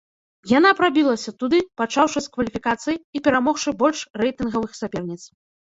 Яна прабілася туды, пачаўшы з кваліфікацыі і перамогшы больш рэйтынгавых саперніц.